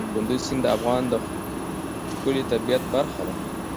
کندز سیند د افغانستان د ښکلي طبیعت برخه ده.